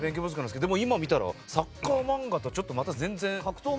でも今、見たらサッカー漫画とちょっと全然。